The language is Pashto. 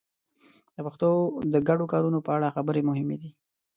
د پښتو د ګډو کارونو په اړه خبرې مهمې دي.